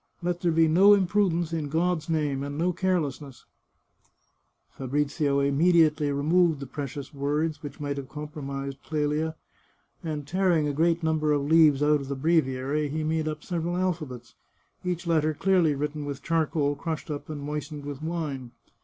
Let there be no im prudence, in God's name, and no carelessness !" Fabrizio immediately removed the precious words, which might have compromised Clelia, and, tearing a g^eat number of leaves out of the breviary, he made up several alphabets, each letter clearly written with charcoal crushed up and moistened with wine.